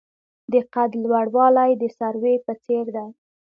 د قد لوړوالی د سروې په څیر دی.